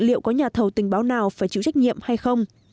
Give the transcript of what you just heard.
liệu có nhà thầu tình báo nào phải chịu trách nhiệm hay không